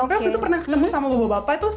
sampai waktu itu pernah ketemu sama bapak bapak itu